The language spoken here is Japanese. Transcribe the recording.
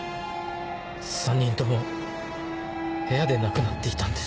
３人とも部屋で亡くなっていたんです。